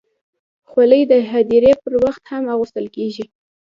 خولۍ د هدیرې پر وخت هم اغوستل کېږي.